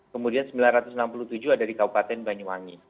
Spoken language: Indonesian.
kemudian sembilan ratus enam puluh tujuh ada di kabupaten banyuwangi